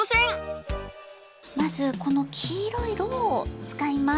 まずこのきいろいろうをつかいます。